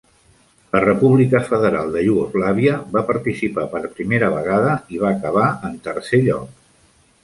La República Federal de Iugoslàvia va participar per primera vegada i va acabar en tercer lloc.